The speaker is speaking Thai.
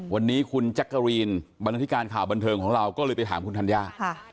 วันนี้คุณแจ๊กกะรีนบรรณาธิการข่าวบันเทิงของเราก็เลยไปถามคุณธัญญา